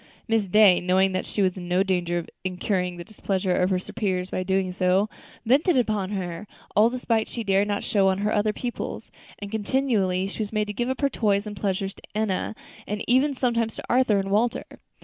Miss Day, knowing that she was in no danger of incurring the displeasure of her superiors by so doing, vented upon her all the spite she dared not show to her other pupils; and continually she was made to give up her toys and pleasures to Enna, and even sometimes to Arthur and Walter.